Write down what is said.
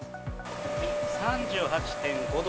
３８．５度。